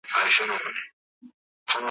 او حتی نه د عبدالقادر خان خټک `